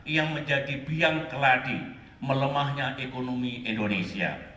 yang menjadi biang keladi melemahnya ekonomi indonesia